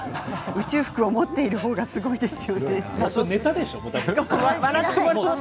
宇宙服を持っている方がすごいですよね。